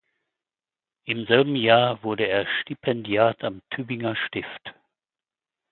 Im selben Jahr wurde er Stipendiat am Tübinger Stift.